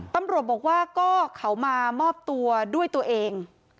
ตำรวจบอกว่าก็เขามามอบตัวด้วยตัวเอง